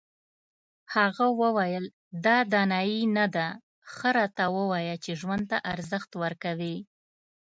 هغه وویل دا دانایي نه ده ښه راته ووایه چې ژوند ته ارزښت ورکوې.